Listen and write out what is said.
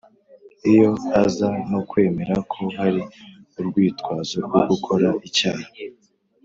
Iyo aza no kwemera ko hari urwitwazo rwo gukora icyaha